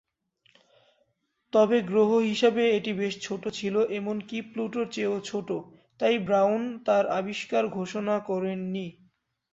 তবে গ্রহ হিসেবে এটি বেশ ছোট ছিল, এমনকি প্লুটোর চেয়েও ছোট, তাই ব্রাউন তার আবিষ্কার ঘোষণা করেননি।